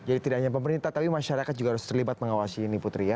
jadi tidak hanya pemerintah tapi masyarakat juga harus terlibat mengawasi ini putri ya